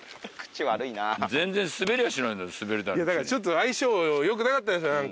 ちょっと相性よくなかったでしょ